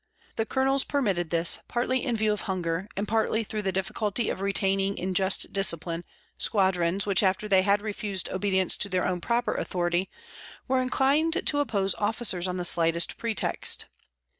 The colonels permitted this partly in view of hunger, and partly through the difficulty of retaining in just discipline squadrons which after they had refused obedience to their own proper authority were inclined to oppose officers on the slightest pretext.